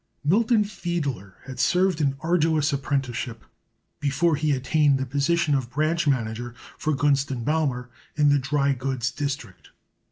Milton Fiedler had served an arduous apprenticeship before he attained the position of branch manager for Gunst & Baumer in the dry goods district.